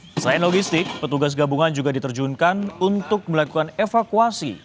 selain logistik petugas gabungan juga diterjunkan untuk melakukan evakuasi